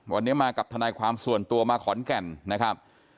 วันนี้มากับทนายความส่วนตัวมาขอนแก่นนะครับ